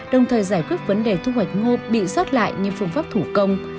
đồng thời giải quyết vấn đề thu hoạch ngô bị rót lại như phương pháp thủ công